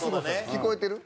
聞こえてる？